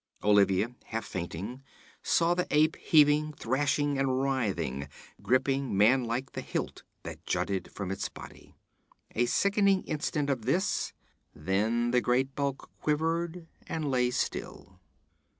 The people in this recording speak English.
Olivia, half fainting, saw the ape heaving, thrashing and writhing, gripping, man like, the hilt that jutted from its body. A sickening instant of this, then the great bulk quivered and lay still.